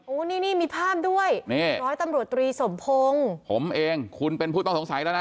โอ้โหนี่นี่มีภาพด้วยนี่ร้อยตำรวจตรีสมพงศ์ผมเองคุณเป็นผู้ต้องสงสัยแล้วนะ